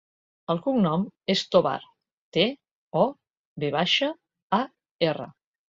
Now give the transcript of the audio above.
El cognom és Tovar: te, o, ve baixa, a, erra.